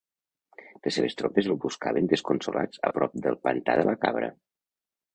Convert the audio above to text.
Les seves tropes el buscaven desconsolats a prop del pantà de la Cabra.